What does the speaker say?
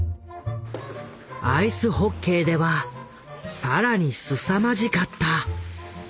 アイスホッケーでは更にすさまじかった。